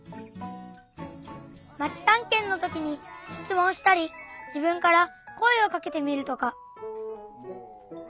まちたんけんのときにしつもんしたり自分から声をかけてみるとか。